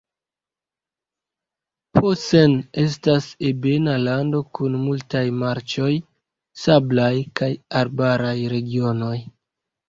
Posen estas ebena lando kun multaj marĉoj, sablaj kaj arbaraj regionoj.